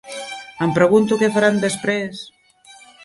Em pregunto què faran després!